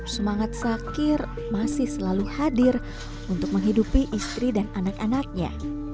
semangat sakir masih selalu hadir untuk menghidupi istri dan anak anaknya